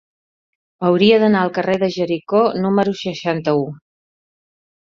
Hauria d'anar al carrer de Jericó número seixanta-u.